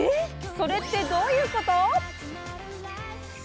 それってどういうこと？